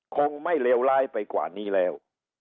คงไม่เลวร้ายไปกว่านี้แล้ว